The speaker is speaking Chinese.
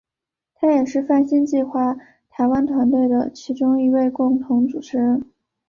他也是泛星计画台湾团队的其中一位共同主持人。